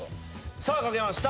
さあ書けました。